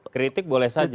kritik boleh saja